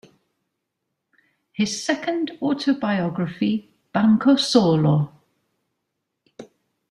His second autobiography, Banco Solo!